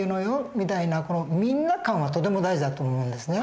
みたいなみんな感はとても大事だと思うんですね。